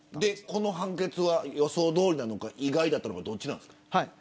この判決は予想通りだったのか意外だったのか、どっちですか。